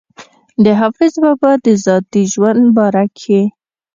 د حافظ بابا د ذاتي ژوند باره کښې